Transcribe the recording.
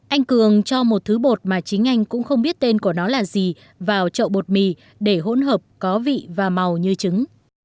anh cường cho một thứ bột mà chính anh cũng không biết tên của nó là gì vào chậu bột mì để hỗn hợp có vị và màu như trứng